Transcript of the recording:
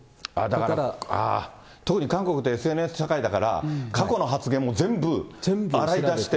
だから、ああ、韓国って特にＳＮＳ社会だから、過去の発言も全部洗い出して。